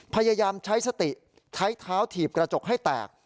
พยายามใช้สติใช้เท้าถีบกระจกให้แตก